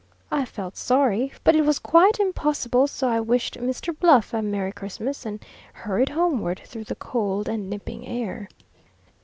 I felt sorry, but it was quite impossible, so I wished Mr. Bluff a "Merry Christmas," and hurried homeward through the cold and nipping air.